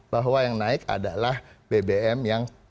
bahwa yang naik adalah bbm yang